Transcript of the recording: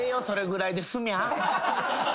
それぐらいで済みゃあ。